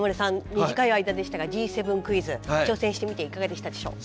短い間でしたがＧ７クイズ挑戦してみていかがでしたでしょう？